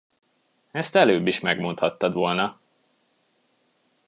Ezt előbb is megmondhattad volna!